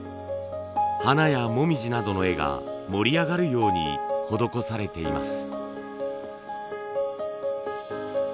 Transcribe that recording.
花や紅葉などの絵が盛り上がるように施されています。